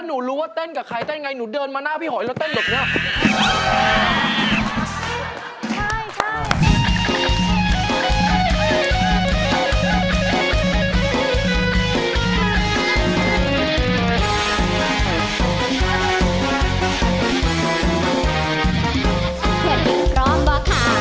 เห็นหนุ่มร้อนป่ะคะ